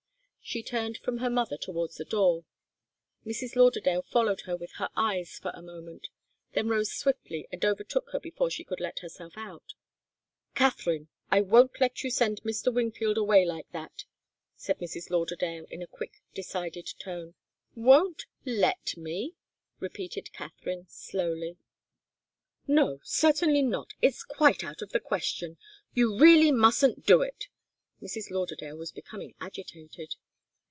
She turned from her mother towards the door. Mrs. Lauderdale followed her with her eyes for a moment, then rose swiftly and overtook her before she could let herself out. "Katharine I won't let you send Mr. Wingfield away like that!" said Mrs. Lauderdale, in a quick, decided tone. "Won't let me?" repeated Katharine, slowly. "No certainly not. It's quite out of the question you really mustn't do it!" Mrs. Lauderdale was becoming agitated.